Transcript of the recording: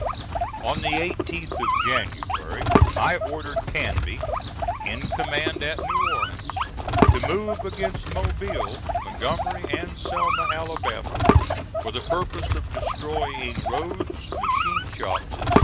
On the 18th of January I ordered Canby, in command at New Orleans, to move against Mobile, Montgomery and Selma, Alabama, for the purpose of destroying roads, machine shops, etc.